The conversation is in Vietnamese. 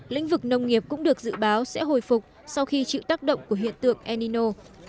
lĩnh vực nông nghiệp cũng được dự báo sẽ hồi phục sau khi chịu tác động của hiện tượng enino